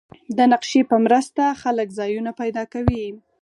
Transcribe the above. د نقشې په مرسته خلک ځایونه پیدا کوي.